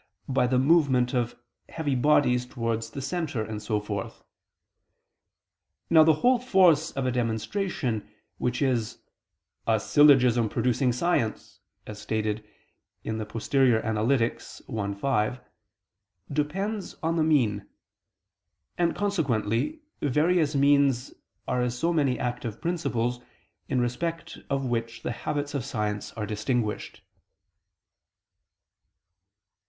by the movement of heavy bodies towards the center, and so forth. Now the whole force of a demonstration, which is "a syllogism producing science," as stated in Poster. i, text. 5, depends on the mean. And consequently various means are as so many active principles, in respect of which the habits of science are distinguished.